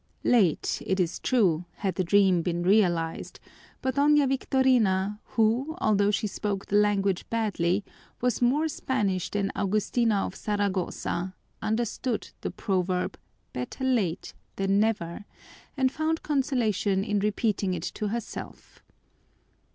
Late, it is true, had the dream been realized, but Doña Victorina, who, although she spoke the language badly, was more Spanish than Augustina of Saragossa, understood the proverb, "Better late than never," and found consolation in repeating it to herself.